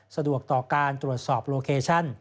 สะดวกต่อการตรวจสอบโลเคชั่น